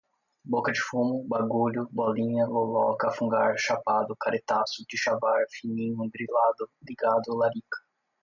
boca de fumo, bagulho, bolinha, loló, cafungar, chapado, caretaço, dichavar, fininho, grilado, ligado, larica